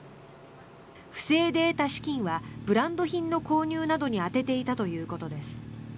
不正で得た資金はブランド品の購入などに充てていたということです。